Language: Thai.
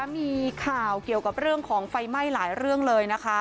มีข่าวเกี่ยวกับเรื่องของไฟไหม้หลายเรื่องเลยนะคะ